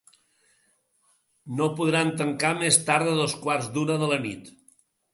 No podran tancar més tard de dos quarts d’una de la nit.